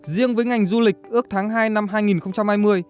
riêng với ngành du lịch ước tháng hai năm hai nghìn hai mươi